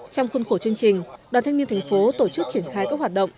trong khuôn khổ chương trình đoàn thanh niên thành phố tổ chức triển khai các hoạt động